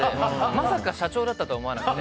まさか社長だったとは思わなくて。